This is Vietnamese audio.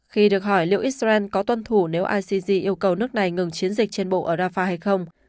khi được hỏi liệu israel có tuân thủ nếu icg yêu cầu nước này ngừng chiến dịch trên bộ ở rafah hay không